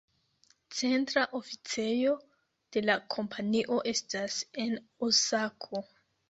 Centra oficejo de la kompanio estas en Osako.